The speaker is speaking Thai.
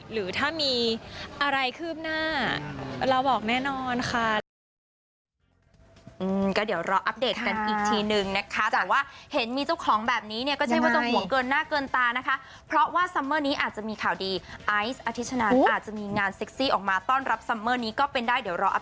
หรือถ้ามีอะไรคืบหน้าเราบอกแน่นอนค่ะ